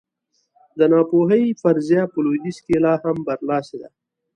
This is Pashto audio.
د ناپوهۍ فرضیه په لوېدیځ کې لا هم برلاسې ده.